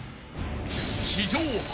［史上初。